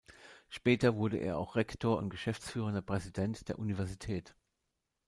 Später wurde er auch Rektor und geschäftsführender Präsident der Universität.